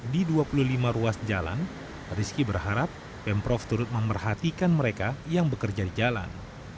di dua puluh lima ruas jalan rizky berharap pemprov turut memerhatikan mereka yang bekerja di jalan